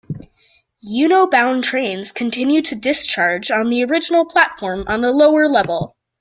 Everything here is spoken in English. Ueno-bound trains continue to discharge on the original platform on the lower level.